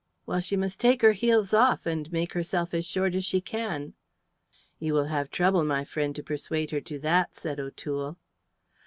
"Well, she must take her heels off and make herself as short as she can." "You will have trouble, my friend, to persuade her to that," said O'Toole.